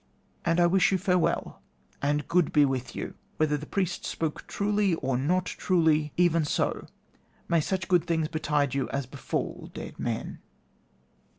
And I wish you farewell, and good be with you. Whether the priest spoke truly, or not truly, even so may such good things betide you as befall dead men.